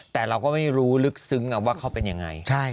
แต่เราก็ไม่รู้ลึกซึ้งว่าเขาเป็นยังไง